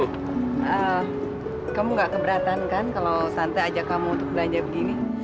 ya kamu gak keberatan kan kalau tante ajak kamu belanja begini